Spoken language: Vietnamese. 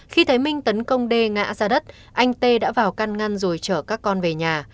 khi thấy minh tấn công đê ngã ra đất anh tê đã vào căn ngăn rồi chở các con về nhà